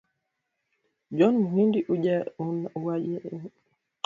John Muhindi Uwajeneza wote kutoka kikosi cha sitini na tano cha jeshi la Rwanda